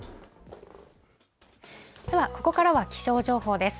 では、ここからは気象情報です。